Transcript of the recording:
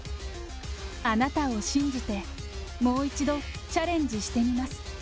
あなたを信じて、もう一度チャレンジしてみます。